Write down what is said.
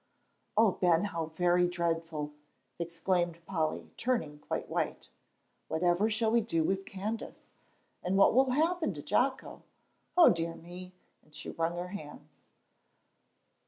"Oh, Ben, how very dreadful!" exclaimed Polly, turning quite white. "Whatever shall we do with Candace, and what will happen to Jocko? O dear me!" and she wrung her hands.